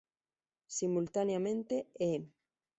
Simultáneamente, E!